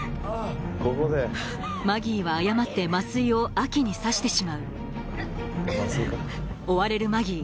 マギーは誤って麻酔をアキに刺してしまう追われるマギー